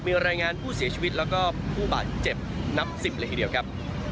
มีรายงานผู้เสียชีวิตแล้วก็ผู้บาดเจ็บนับสิบเลยทีเดียวครับ